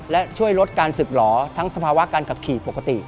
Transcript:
และช่วยลดการศึกหล่อทั้งสภาวะการขับขี่ปกติ